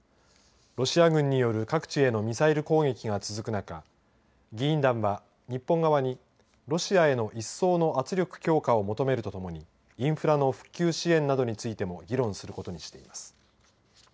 ロシア軍による各地へのミサイル攻撃が続く中議員団は日本側にロシアへの一層の圧力強化を求めるとともにインフラの復旧支援などについても議論することにしています。